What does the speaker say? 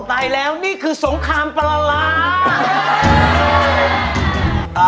ตายแล้วนี่คือสงครามปลาร้า